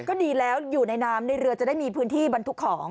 ก็ดีแล้วอยู่ในน้ำในเรือจะได้มีพื้นที่บรรทุกของ